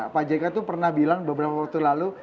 pajeka itu pernah bilang beberapa waktu lalu